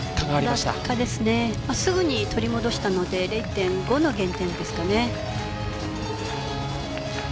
まあすぐに取り戻したので０．５の減点ですかね。